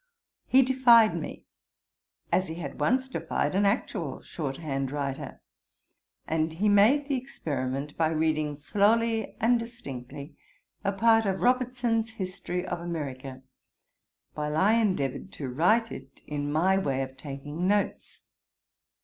He defied me, as he had once defied an actual short hand writer, and he made the experiment by reading slowly and distinctly a part of Robertson's History of America, while I endeavoured to write it in my way of taking notes.